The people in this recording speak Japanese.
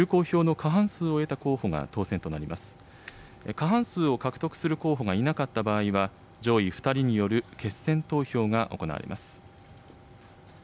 過半数を獲得する候補がいなかった場合は、上位２人による決選投票が行われます。